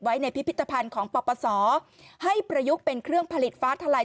ในพิพิธภัณฑ์ของปปศให้ประยุกต์เป็นเครื่องผลิตฟ้าทลาย